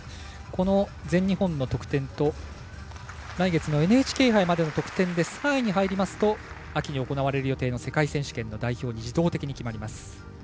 この全日本の得点と来月のＮＨＫ杯までの得点で３位に入りますと秋に行われる予定の世界選手権の代表に自動的に決まります。